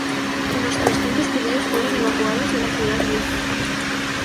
Unos trescientos judíos fueron evacuados de la Ciudad Vieja.